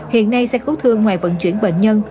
hiện nay xe cứu thương ngoài vận chuyển bệnh nhân